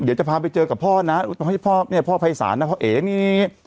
เดี๋ยวจะพาไปเจอกับพ่อนะให้พ่อเนี่ยพ่อภัยศาลนะพ่อเอ๋นี่